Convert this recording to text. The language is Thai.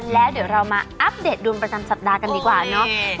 แล้วเดี๋ยวเรามาอัปเดตดวงประจำสัปดาห์กันดีกว่าเนาะ